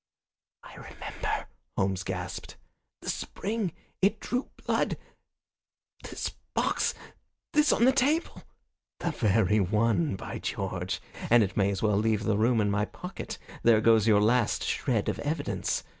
"I remember," Holmes gasped. "The spring! It drew blood. This box this on the table." "The very one, by George! And it may as well leave the room in my pocket. There goes your last shred of evidence.